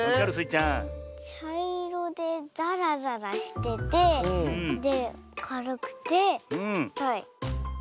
ちゃいろでざらざらしててでかるくてはい。